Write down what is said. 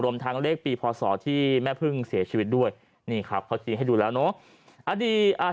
ทางเลขปีพศที่แม่พึ่งเสียชีวิตด้วยนี่ครับเขาชี้ให้ดูแล้วเนาะ